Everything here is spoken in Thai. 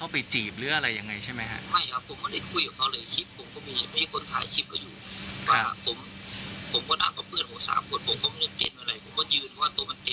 เขาไปจีบหรืออะไรอย่างไรใช่ไหมท่า